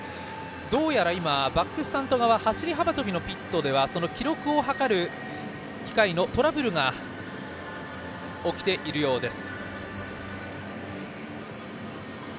どうやら今、バックスタンド側走り幅跳びのピットでは記録を測る機械のトラブルが起きているようです。